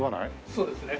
そうですね。